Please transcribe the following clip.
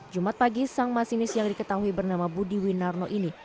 jumat pagi sang masinis yang diketahui bernama budi winarno ini